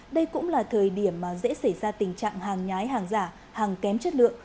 đây cũng là thời điểm dễ xảy ra tình trạng hàng nhái hàng giả hàng kém chất lượng